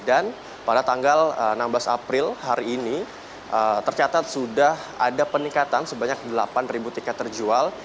dan pada tanggal enam belas april hari ini tercatat sudah ada peningkatan sebanyak delapan ribu tiket terjual